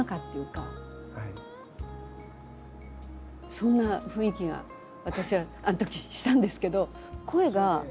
そんな雰囲気が私はあのときしたんですけど。